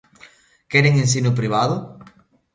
¿Queren ensino privado?